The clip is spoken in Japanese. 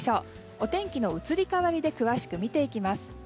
お天気の移り変わりで詳しく見ていきます。